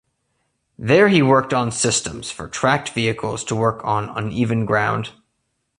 There he worked on systems for tracked vehicles to work on uneven ground.